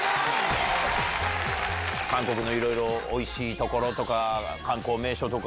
韓国のいろいろ、おいしい所とか、観光名所とか。